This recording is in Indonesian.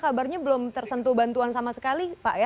kabarnya belum tersentuh bantuan sama sekali pak ya